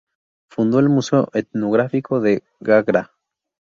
Fundó el Museo Etnográfico de Gagra.